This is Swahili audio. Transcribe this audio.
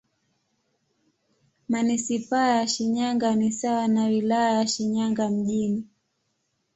Manisipaa ya Shinyanga ni sawa na Wilaya ya Shinyanga Mjini.